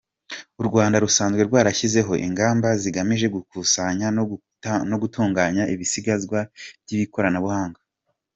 U Rwanda rusanzwe rwarashyizeho ingamba zigamije gukusanya no gutunganya ibisigazwa by’ikoranabuhanga.